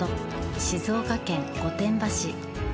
静岡県・御殿場市。